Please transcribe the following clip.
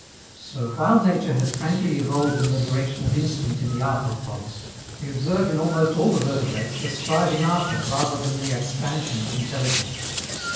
So, while nature has frankly evolved in the direction of instinct in the arthropods, we observe in almost all the vertebrates the striving after rather than the expansion of intelligence.